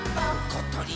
ことり！